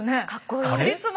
カリスマ。